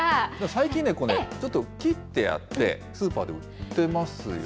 最近ね、ちょっと切ってあって、スーパーで売ってますよね。